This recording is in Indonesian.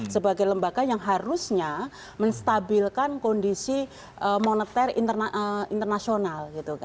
sebagai lembaga yang harusnya menstabilkan kondisi moneter internasional